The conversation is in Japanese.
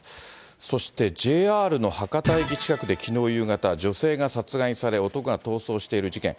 そしてＪＲの博多駅近くできのう夕方、女性が殺害され、男が逃走している事件。